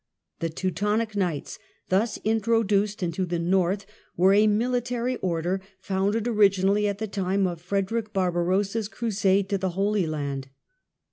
The Ten The Teutonic Knights thus introduced into the North touio r er y^^gj g g^ military order, founded originally at the time of Frederick Barbarossa's Crusade to the Holy Land.